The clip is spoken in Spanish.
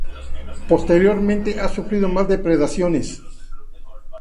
Posteriormente ha sufrido más depredaciones.